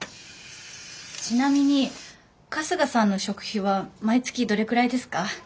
ちなみに春日さんの食費は毎月どれくらいですか？